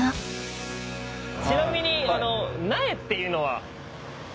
ちなみに。